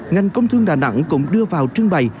ngành công thương đà nẵng cũng đưa vào trưng bày